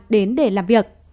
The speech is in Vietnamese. đến để làm việc